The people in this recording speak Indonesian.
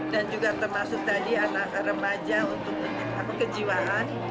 dan juga termasuk tadi anak remaja untuk kejiwaan